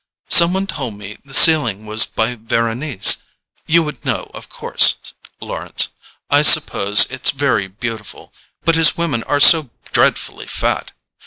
Some one told me the ceiling was by Veronese—you would know, of course, Lawrence. I suppose it's very beautiful, but his women are so dreadfully fat.